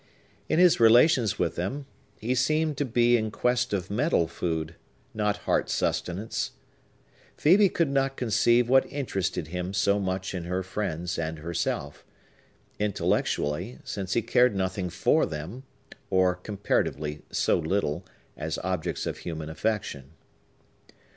In his relations with them, he seemed to be in quest of mental food, not heart sustenance. Phœbe could not conceive what interested him so much in her friends and herself, intellectually, since he cared nothing for them, or, comparatively, so little, as objects of human affection.